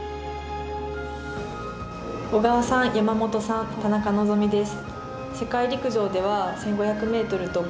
小川さん、山本さん、田中希実です。